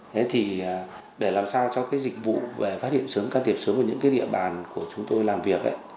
thế thì để làm sao cho cái dịch vụ về phát hiện sớm can thiệp sớm ở những cái địa bàn của chúng tôi làm việc ấy